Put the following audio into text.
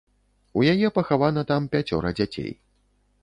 У яе пахавана там пяцёра дзяцей.